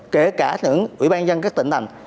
kể cả những ủy ban dân các tỉnh thành